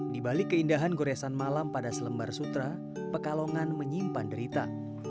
di balik keindahan goresan malam pada selembar sutra pekalongan menyimpan derita